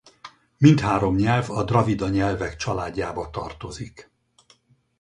Mindhárom nyelv a dravida nyelvek családjába tartozik.